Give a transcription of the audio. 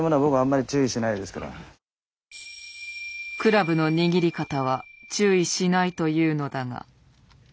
クラブの握り方は注意しないというのだが。